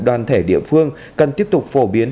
đoàn thể địa phương cần tiếp tục phổ biến